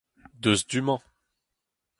Deus du-mañ.